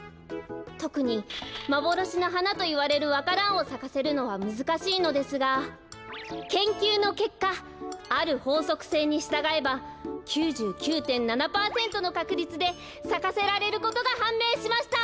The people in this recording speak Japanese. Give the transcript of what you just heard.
とくにまぼろしのはなといわれるわか蘭をさかせるのはむずかしいのですが研究のけっかあるほうそくせいにしたがえば９９．７パーセントのかくりつでさかせられることがはんめいしました！